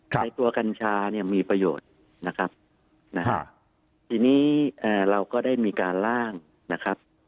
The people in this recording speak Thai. ในตัวกัญชาเนี่ยมีประโยชน์นะครับนะฮะทีนี้เราก็ได้มีการล่างนะครับ